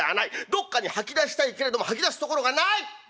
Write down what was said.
どっかに吐き出したいけれども吐き出すところがない！